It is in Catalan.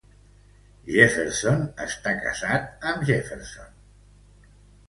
Roberto Jefferson està casat amb Ecila Brasil Jefferson Francisco.